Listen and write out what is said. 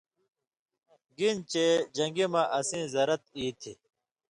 گِنہۡ چے جن٘گی مہ اسیں زرت ای تھی۔